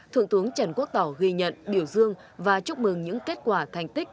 phượng thướng trần quốc tỏ ghi nhận biểu dương và chúc mừng những kết quả thành tích